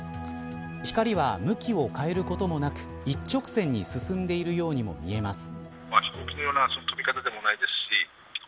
光は向きを変えることもなく一直線に進んでいるようにも見えます。